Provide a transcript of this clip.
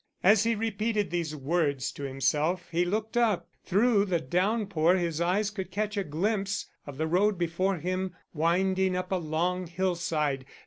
As he repeated these words to himself, he looked up. Through the downpour his eyes could catch a glimpse of the road before him, winding up a long hillside.